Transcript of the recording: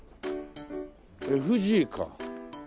「ＦＧ」か。